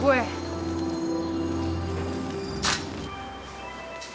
cuma satu yang bisa ngibur gue